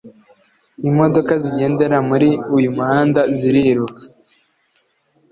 imodoka zigendera muri uyu muhanda ziriruka